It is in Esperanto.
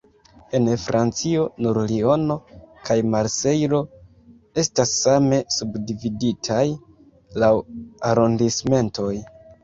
En Francio, nur Liono kaj Marsejlo estas same subdividitaj laŭ arondismentoj.